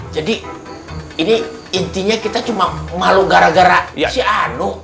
jadi ini intinya kita cuma malu gara gara si anu